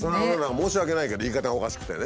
申し訳ないけど言い方がおかしくてね。